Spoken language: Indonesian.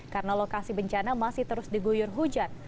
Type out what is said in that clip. karena lokasi bencana masih terus diguyur hujan